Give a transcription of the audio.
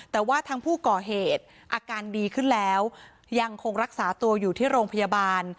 แต่ว่าทางผู้ก่อเหตุอาการดีขึ้นแล้วยังคงรักษาตัวอยู่ที่โรงพยาบาล